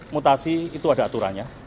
mutasi itu ada aturannya